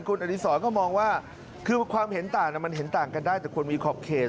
คุณอดีศรก็มองว่าคือความเห็นต่างมันเห็นต่างกันได้แต่ควรมีขอบเขต